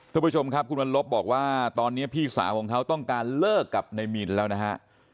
ทุกผู้ชมครับคุณวันลบบอกว่าตอนนี้พี่สาวของเขาต้องการเลิกกับนายมินแล้วนะฮะ